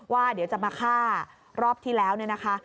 ว่าเดี๋ยวจะมาฆ่ารอบที่แล้วเนี่ยนะคะ